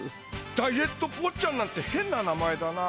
ダイエット坊ちゃんなんてへんな名前だな。